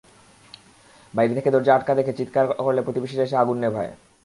বাইরে থেকে দরজা আটকা দেখে চিৎকার করলে প্রতিবেশীরা এসে আগুন নেভায়।